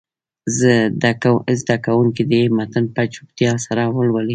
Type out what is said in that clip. زده کوونکي دې متن په چوپتیا سره ولولي.